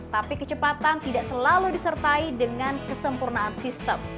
tapi kecepatan tidak selalu disertai dengan kesempurnaan sistem